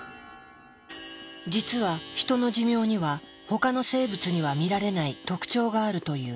実はヒトの寿命には他の生物には見られない特徴があるという。